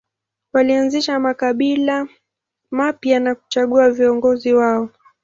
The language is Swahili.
Walianzisha makabila mapya na kuchagua viongozi wao.